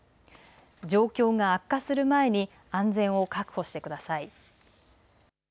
状況が悪化する前に安全を確保してください。